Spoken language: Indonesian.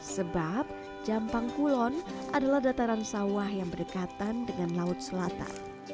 sebab jampang kulon adalah dataran sawah yang berdekatan dengan laut selatan